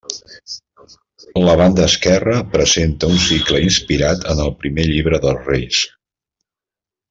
La banda esquerra presenta un cicle inspirat en el primer llibre dels Reis.